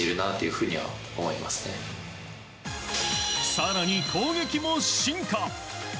更に攻撃も進化。